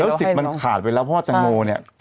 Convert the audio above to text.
สิทธิ์มันขาดไปแล้วเพราะว่าแตงโมเนี่ย